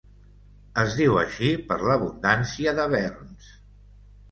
Es diu així per l'abundància de verns.